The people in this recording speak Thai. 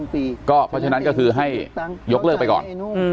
เพราะฉะนั้นก็คือให้ยกเลิกไปก่อน